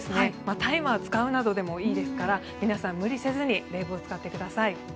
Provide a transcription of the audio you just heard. タイマーを使うなどでもいいですから皆さん、無理せずに冷房を使ってください。